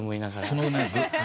そのね